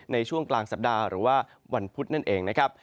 ในช่วงกลางสัปดาห์หรือว่าวันพุธนั่นเองนะครับ